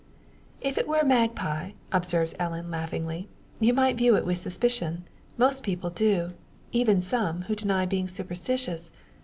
"If it were a magpie," observes Ellen, laughingly, "you might view it with suspicion. Most people do even some who deny being superstitious.